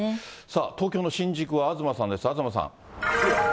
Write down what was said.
さあ東京の新宿は東さんです、東さん。